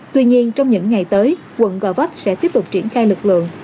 tuy nhiên trong những ngày tới quận gò vấp sẽ tiếp tục triển khai lực lượng